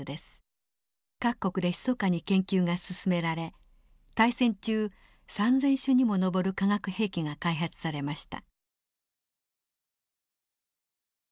各国でひそかに研究が進められ大戦中３，０００種にも上る化学兵器が開発されました。